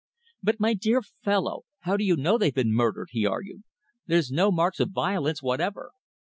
"But, my dear fellow, how do you know they've been murdered?" he argued. "There's no marks of violence whatever."